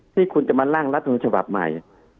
ที่คุณจะมาล่างรัฐธรรมศาสตร์ใหม่